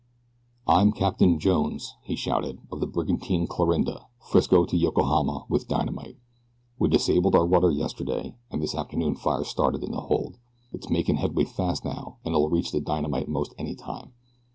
"I'm Captain Jones," he shouted, "of the brigantine Clarinda, Frisco to Yokohama with dynamite. We disabled our rudder yesterday, an' this afternoon fire started in the hold. It's makin' headway fast now, an'll reach the dynamite most any time.